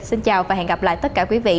xin chào và hẹn gặp lại tất cả quý vị